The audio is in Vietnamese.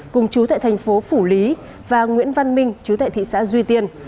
cùng chú tại thành phố phủ lý và nguyễn văn minh chú tại thị xã duy tiên